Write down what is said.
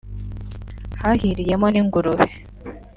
hahiriyemo n’ingurube